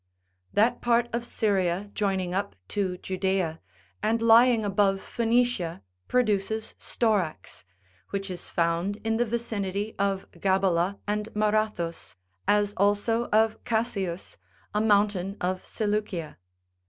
That part of Syria joining up to Judaea, and lying above Phoenicia, produces storax, which is found in the vicinity of Gabala and Marathus,79 as also of Casius, a mountain of Se leucia.